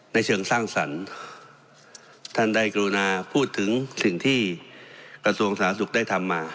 ในเชิงสร้างสรรค์ท่านได้กรุณาพูดถึงสิ่งที่กระทรวงสาธารณสุขได้ทำมา